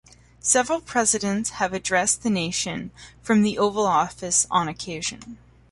Several presidents have addressed the nation from the Oval Office on occasion.